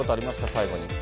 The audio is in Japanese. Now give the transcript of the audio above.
最後に。